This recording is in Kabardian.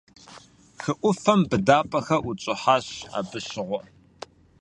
Хы Ӏуфэм быдапӀэхэр ӀутщӀыхьащ абы щыгъуэ.